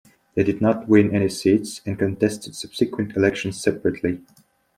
They did not win any seats and contested subsequent elections separately.